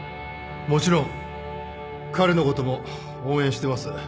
もちろん彼のことも応援しています。